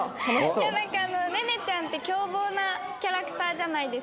なんかネネちゃんって凶暴なキャラクターじゃないですか。